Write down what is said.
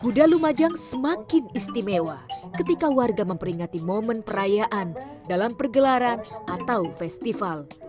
kuda lumajang semakin istimewa ketika warga memperingati momen perayaan dalam pergelaran atau festival